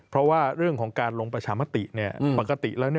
เพราะว่าเรื่องของการลงประชามติปกติแล้ว